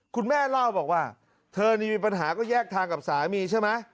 คุณแม่เล่าบอกว่าเธอนี่มีปัญหาก็แยกทางกับสามีใช่ไหม